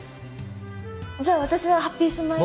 じゃあ私はハッピースマイルに。